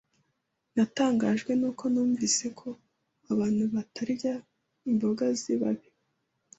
Natangajwe nuko numvise ko abantu batarya imboga zibabi.